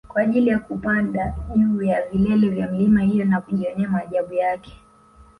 kwa ajili ya kupada juu ya vilele vya milima hiyo na kujionea maajabu yake